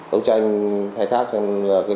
đấu tranh khai thác